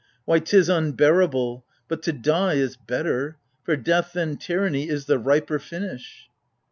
Why, 'tis unbearable : but to die is better : For death than tyranny is the riper finish